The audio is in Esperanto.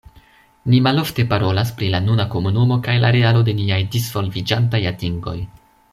Ni malofte parolas pri la nuna komunumo kaj la realo de niaj disvolviĝantaj atingoj.